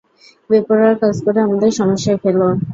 বেপরোয়া কাজ করে আমাদের সমস্যায় ফেলো।